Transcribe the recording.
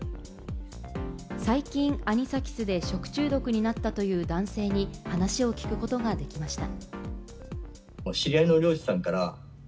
最近、アニサキスで食中毒になったという男性に話を聞くことができました。